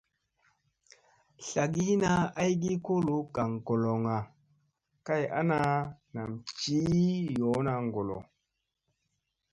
Tlagina aygi kolo gaŋ goloŋga kay ana ,nam ciy yoona ŋgolo.